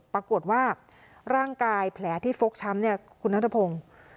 ปรากฏว่าร่างกายแผลที่ฟกช้ำเนี่ยคุณนัทพงศ์